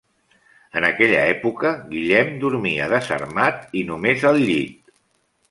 En aquella època Guillem dormia desarmat i només al llit.